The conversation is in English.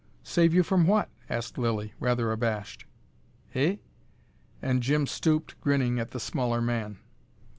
"Save you from what?" asked Lilly, rather abashed. "Eh ?" and Jim stooped, grinning at the smaller man.